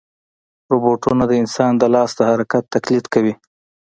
روبوټونه د انسان د لاس د حرکت تقلید کوي.